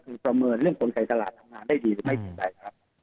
ก็คือประเมินเรื่องผลไขตลาดทำงานได้ดีหรือไม่ดี